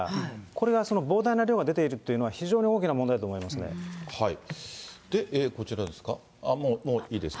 これが膨大な量が出ているというのは、非常に大きな問題だと思いこちらですか、もういいです